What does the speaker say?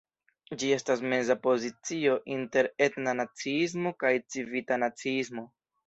Ĝi estas meza pozicio inter etna naciismo kaj civita naciismo.